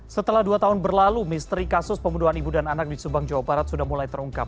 setelah dua tahun berlalu misteri kasus pembunuhan ibu dan anak di subang jawa barat sudah mulai terungkap